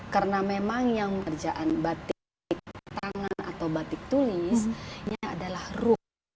karena memang yang berjaan batik tangan atau batik tulisnya adalah ruh